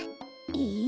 え。